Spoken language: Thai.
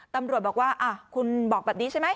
ตำรวจบอกว่าคุณบอกแบบนี้ใช่ไหม